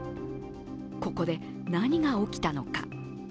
ここで何が起きたのか。